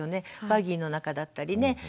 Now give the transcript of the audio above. バギーの中だったりね。